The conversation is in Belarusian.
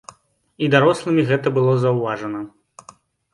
І дарослымі гэта было заўважана.